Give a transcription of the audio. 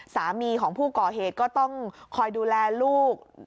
สามีของผู้ก่อเหตุก็ต้องคอยดูแลลูก